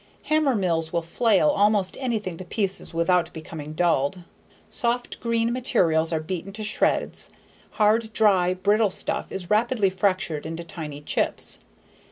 Hammermills will flail almost anything to pieces without becoming dulled. Soft, green materials are beaten to shreds; hard, dry, brittle stuff is rapidly fractured into tiny chips.